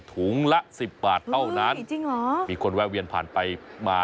ถุงละ๑๐บาทเท่านั้นมีคนแวะเวียนผ่านไปมา